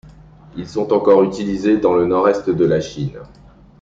Ils sont encore utilisés dans le nord-est de la Chine.